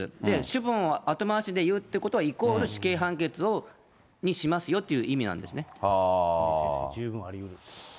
主文を後回しで言うということは、イコール死刑判決にしますよとい十分ありうる。